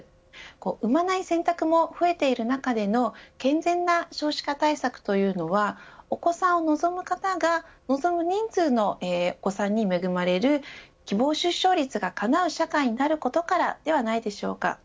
産まない選択も増えている中での健全な少子化対策というのはお子さんを望む方が望む人数のお子さんに恵まれる希望出生率がかなう社会になることからではないでしょうか。